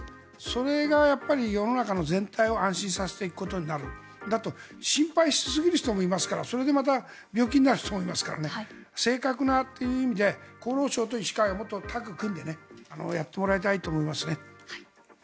それが世の中の全体を安心させていくことになる。心配しすぎる人もいますからそれでまた病気になる人もいますから正確なという意味で厚労省と医師会がもっとタッグを組んでやってもらいたいと思いますね。